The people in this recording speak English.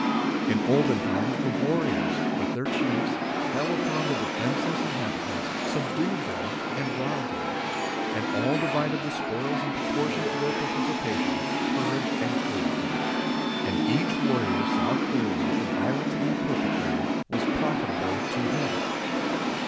In olden times, the warriors, with their chiefs, fell upon the defenceless inhabitants, subdued them, and robbed them ; and all divided the spoils in proportion to their participation, courage, and cruelty ; and each warrior saw clearly that the violence he perpetrated was profitable to him.